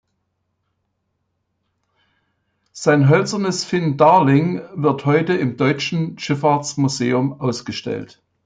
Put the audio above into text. Sein hölzernes Finn "Darling" wird heute im Deutschen Schifffahrtsmuseum ausgestellt.